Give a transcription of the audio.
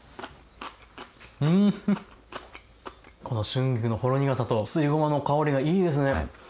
この春菊のほろ苦さとすりごまの香りがいいですね。